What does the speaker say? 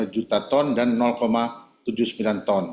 juta ton dan tujuh puluh sembilan ton